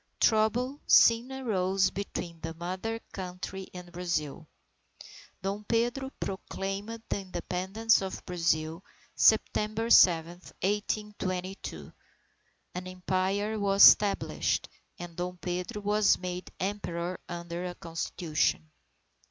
Trouble soon arose between the Mother Country and Brazil. Dom Pedro proclaimed the Independence of Brazil, September 7, 1822. An Empire was established, and Dom Pedro was made Emperor under a Constitution.